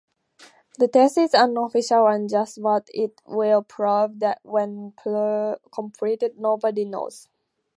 The test is unofficial and just what it will prove when completed nobody knows.